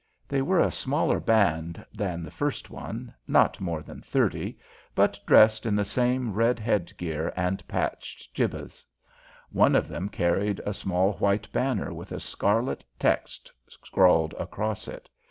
They were a smaller band than the first one, not more than thirty, but dressed in the same red head gear and patched jibbehs. One of them carried a small white banner with a scarlet text scrawled across it.